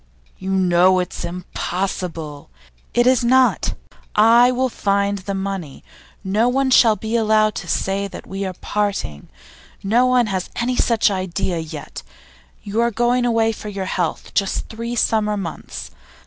'You know it's impossible ' 'It is not! I will find money. No one shall be allowed to say that we are parting; no one has any such idea yet. You are going away for your health, just three summer months.